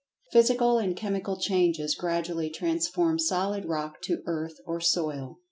Physical and Chemical Changes gradually transform solid rock to "earth" or "soil."